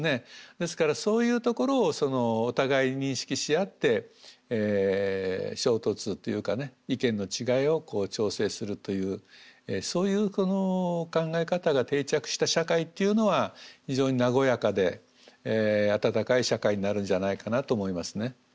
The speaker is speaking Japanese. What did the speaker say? ですからそういうところをお互い認識し合って衝突というかね意見の違いを調整するというそういう考え方が定着した社会っていうのは非常に和やかで温かい社会になるんじゃないかなと思いますね。